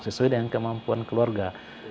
sesuai dengan kemampuan keluarga